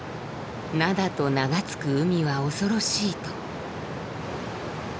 「灘と名が付く海は恐ろしい」と。